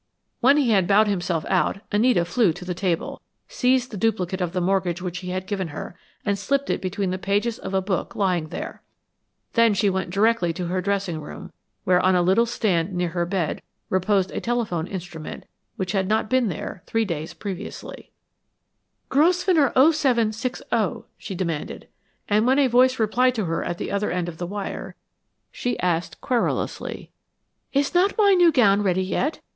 When he had bowed himself out, Anita flew to the table, seized the duplicate of the mortgage which he had given her, and slipped it between the pages of a book lying there. Then she went directly to her dressing room where on a little stand near her bed reposed a telephone instrument which had not been there three days previously. "Grosvenor 0760," she demanded, and when a voice replied to her at the other end of the wire, she asked querulously, "Is not my new gown ready yet?